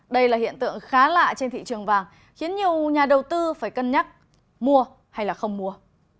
đây là hiện tượng khá lạ trên thị trường vàng khiến nhiều nhà đầu tư phải cân nhắc mua hay không mua